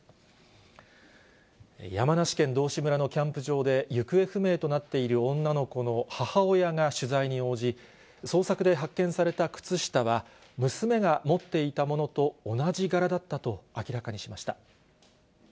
山梨県道志村のキャンプ場で、行方不明となっている女の子の母親が取材に応じ、捜索で発見された靴下は、娘が持っていたものと同じ柄だったと明らかにしました。